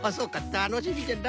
たのしみじゃな。